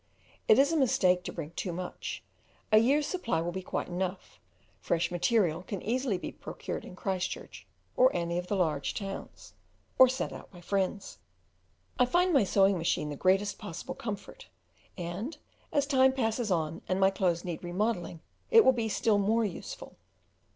It is a mistake to bring too much: a year's supply will be quite enough; fresh material can easily be procured in Christchurch or any of the large towns, or sent out by friends. I find my sewing machine the greatest possible comfort, and as time passes on and my clothes need remodelling it will be still more use ful.